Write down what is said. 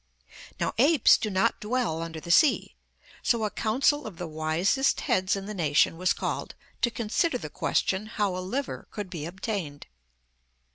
Now apes do not dwell under the sea, so a council of the wisest heads in the nation was called to consider the question how a liver could be obtained.